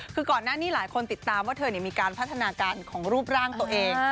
คือก่อนหน้านี้หลายคนติดตามว่าเธอมีการพัฒนาการของรูปร่างตัวเอง